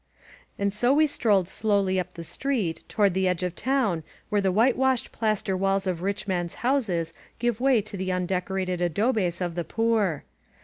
And so we strolled slowly up the street toward the edge of town where the whitewashed plaster walls of rich men's houses give way to the undccorated adobes of the poor.